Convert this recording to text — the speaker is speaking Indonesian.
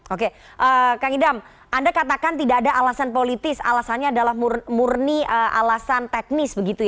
oke kang idam anda katakan tidak ada alasan politis alasannya adalah murni alasan teknis begitu ya